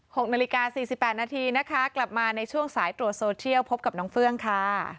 หกนาฬิกา๔๘นาทีนะคะกลับมาในช่วงสายตัวโซเทียลพบกับน้องเฟื้องค่ะ